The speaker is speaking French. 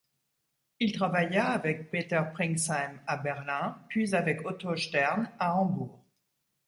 Il travailla avec Peter Pringsheim à Berlin puis avec Otto Stern à Hambourg.